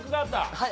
はい。